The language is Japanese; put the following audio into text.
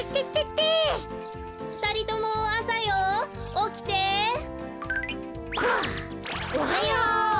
おはよう！